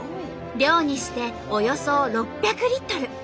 量にしておよそ６００リットル。